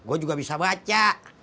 gua juga bisa baca